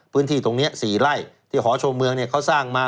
พื้นที่ตรงนี้๔ไร่ที่หอชมเมืองเขาสร้างมา